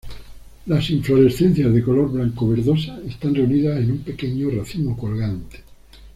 Las inflorescencias de color blanco verdosas están reunidas en un pequeño racimo colgante.